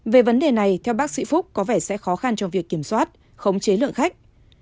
về vấn đề này theo bác sĩ phúc có vẻ sẽ khó khăn trong việc kiểm soát khống chế lượng khách